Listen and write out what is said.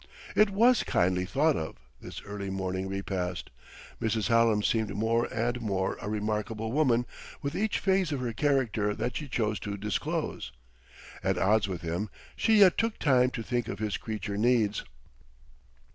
It was kindly thought of, this early morning repast; Mrs. Hallam seemed more and more a remarkable woman with each phase of her character that she chose to disclose. At odds with him, she yet took time to think of his creature needs!